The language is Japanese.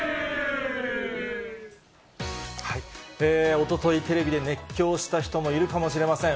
おととい、テレビで熱狂した人もいるかもしれません。